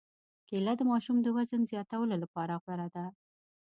کېله د ماشوم د وزن زیاتولو لپاره غوره ده.